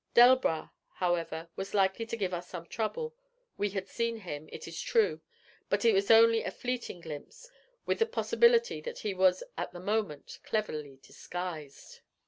Delbras, however, was likely to give us some trouble; we had seen him, it is true, but it was only a fleeting glimpse, with the possibility that he was at the moment cleverly disguised.